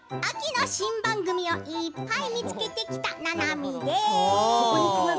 秋の新番組をいっぱい見つけてきた、ななみです。